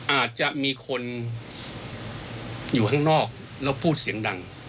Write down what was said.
อาจจะมีคนอยู่ข้างนอกแล้วพูดเสียงดัง